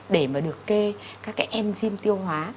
để mà được kê các cái enzim tiêu hóa